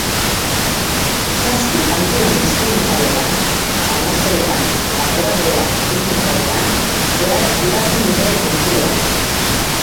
Zazpi kantuko lan instrumentaletan, atmosferetan eta gorabehera erritmikoetan zehar gidatzen dute entzulea.